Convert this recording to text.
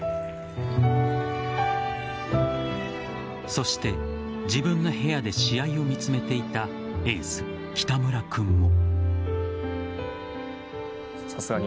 そして自分の部屋で試合を見つめていたエース・北村君も。